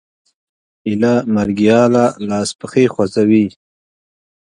ایله مرګي حاله لاس پښې خوځوي